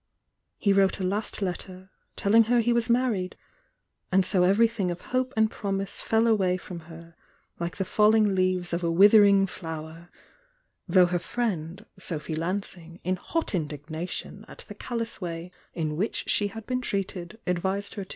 He wrote a last letter, telling her he was marn^, and so everything of hope and promise, fell away from her like the falling leaves of a withering flower, tZfJ her friend, Sophy.Lanring '" hot indigna tionatthecaUousway in which shf ha^^^" treated, advised her.